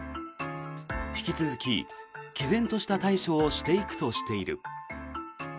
引き続き、きぜんとした対処をしていくとしている。